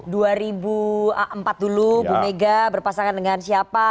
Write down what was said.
dua ribu empat dulu bu mega berpasangan dengan siapa